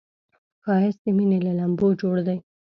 ښایست د مینې له لمبو جوړ دی